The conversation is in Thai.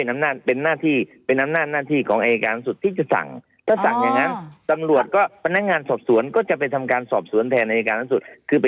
มันมีคนปิดศาพน์ตั้งหลายคน